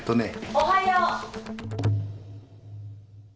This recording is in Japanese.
・おはよう。